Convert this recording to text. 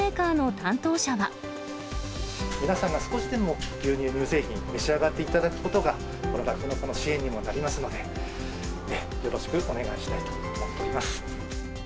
皆さんが少しでも牛乳、乳製品、召し上がっていただくことが、酪農家の支援にもなりますので、よろしくお願いしたいと思っております。